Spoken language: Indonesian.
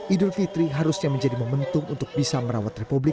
idul fitri harusnya menjadi momentum untuk bisa merawat republik